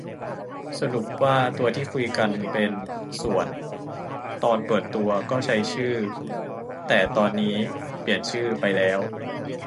สรุปว่าตัวที่คุยกันเป็น ส่วน ตอนเปิดตัวก็ใช้ชื่อ แต่ตอนนี้เปลี่ยนชื่อไปแล้ว